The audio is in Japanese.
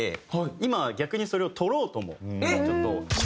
今は逆にそれを取ろうともちょっとしてて。